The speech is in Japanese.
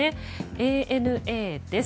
ＡＮＡです。